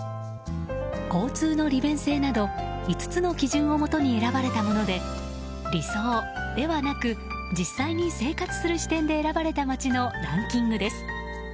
交通の利便性など、５つの基準をもとに選ばれたもので理想ではなく実際に生活する視点で選ばれた街のランキングです。